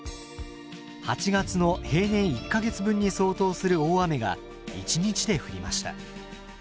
８月の平年１か月分に相当する大雨が一日で降りました。